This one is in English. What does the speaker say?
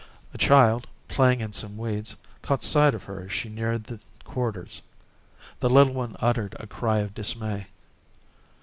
A child, playing in some weeds, caught sight of her as she neared the quarters. The little one uttered a cry of dismay.